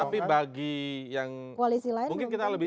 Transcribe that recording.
tapi bagi yang mungkin kita lebih